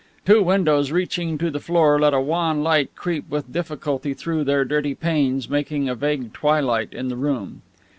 Two windows reaching to the floor let a wan light creep with difficulty through their dirty panes, making a vague twilight in the room.